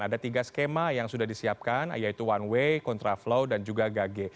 ada tiga skema yang sudah disiapkan yaitu one way contraflow dan juga gage